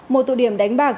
một tụi điểm đánh bạc